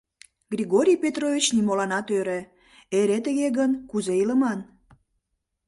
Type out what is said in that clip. Григорий Петрович нимоланат ӧрӧ: «Эре тыге гын, кузе илыман?»